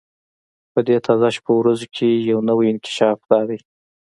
په دې تازه شپو ورځو کې یو نوی انکشاف دا دی.